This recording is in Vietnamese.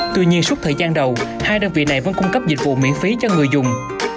tuy nhiên suốt thời gian đầu hai đơn vị này vẫn cung cấp dịch vụ miễn phí cho người dùng